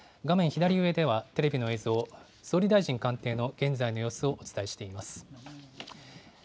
左上では、テレビの映像、総理大臣官邸の現在の様子をお伝えしています。